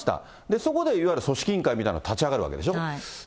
そこでいわゆる組織委員会みたいなの立ち上がるわけでしょ？